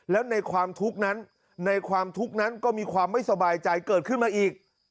แล้วในความทุกข์นั้นในความทุกข์นั้นก็มีความไม่สบายใจเกิดขึ้นมาอีก